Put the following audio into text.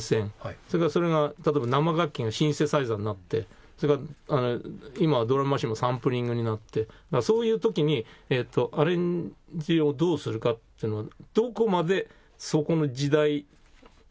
それからそれが例えば生楽器がシンセサイザーになってそれから今はドラムマシンもサンプリングになってだからそういう時にアレンジをどうするかっていうのは。